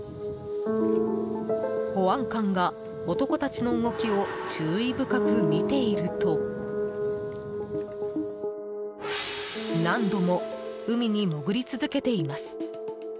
保安官が、男たちの動きを注意深く見ていると何度も海に潜り続けています。